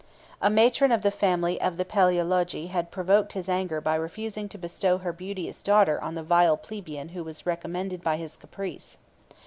A matron of the family of the Palæologi had provoked his anger by refusing to bestow her beauteous daughter on the vile plebeian who was recommended by his caprice.